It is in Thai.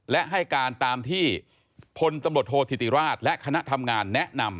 และให้การตามที่พลตำรวจโทษธิติราชและคณะทำงานแนะนำ